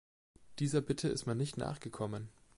Dieser Bitte ist man nicht nachgekommen.